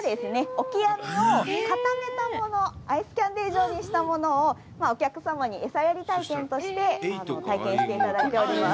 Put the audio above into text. オキアミを固めたもの、アイスキャンデー状にしたものをお客様に餌やり体験として体験していただいております。